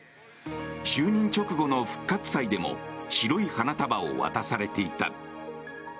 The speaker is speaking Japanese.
就任直後の復活祭でも白い花束を渡されていた。